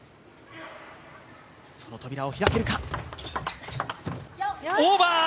その扉を開けるか。